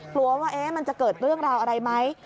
กลัวว่ามันจะเกิดเรื่องราวอะไรไหม